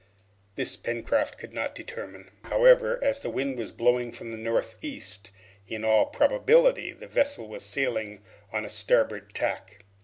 This Pencroft could not determine. However, as the wind was blowing from the northeast, in all probability the vessel was sailing on the starboard tack.